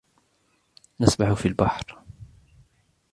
نسبح في البحر.